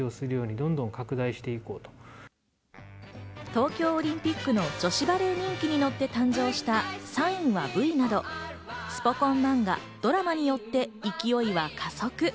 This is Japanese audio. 東京オリンピックの女子バレー人気に乗って誕生した『サインはＶ！』など、スポ根漫画、ドラマによって勢いは加速。